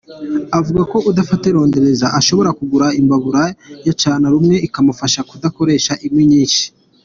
Avuga ko udafite rondereza ashobora kugura imbabura ya cana rumwe ikamufasha kudakoresha inkwi nyinshi.